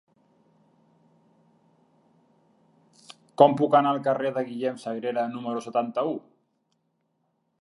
Com puc anar al carrer de Guillem Sagrera número setanta-u?